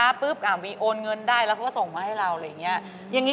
ขันขันมืออยากยังจะชอบหรือยัง